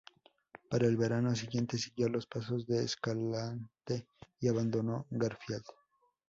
Para el verano siguiente siguió los pasos de Escalante y abandonó Garfield.